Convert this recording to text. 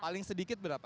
paling sedikit berapa